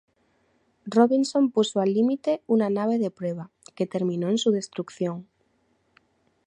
Robinson puso al límite una nave de prueba, que terminó en su destrucción.